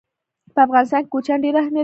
په افغانستان کې کوچیان ډېر اهمیت لري.